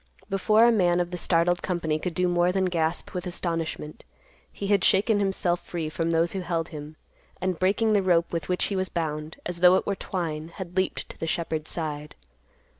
Before a man of the startled company could do more than gasp with astonishment, he had shaken himself free from those who held him, and, breaking the rope with which he was bound, as though it were twine, had leaped to the shepherd's side.